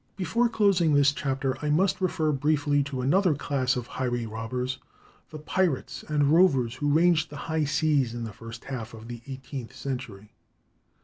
Before closing this chapter I must refer briefly to another class of highway robbers—the pirates and rovers who ranged the high seas in the first half of the eighteenth century.